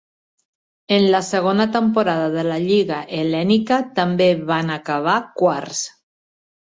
En la segona temporada de la Lliga hel·lènica també van acabar quarts.